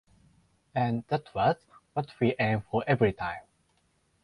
And that was what we aim for everytime.